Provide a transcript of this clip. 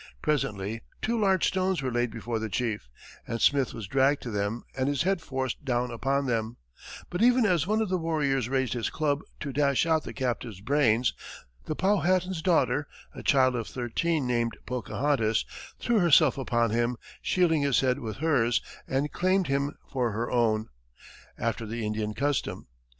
Presently two large stones were laid before the chief, and Smith was dragged to them and his head forced down upon them, but even as one of the warriors raised his club to dash out the captive's brains, the Powhatan's daughter, a child of thirteen named Pocahontas, threw herself upon him, shielding his head with hers, and claimed him for her own, after the Indian custom.